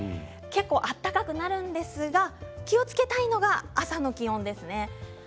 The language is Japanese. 結構、暖かくなるんですが気をつけたいのが朝の気温です。